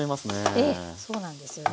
ええそうなんですよね。